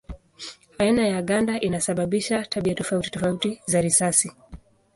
Aina ya ganda inasababisha tabia tofauti tofauti za risasi.